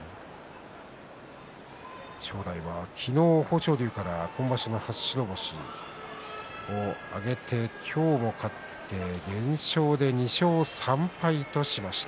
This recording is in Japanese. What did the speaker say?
正代は昨日、豊昇龍から今場所が初白星を挙げて今日も勝って連勝で２勝３敗としました。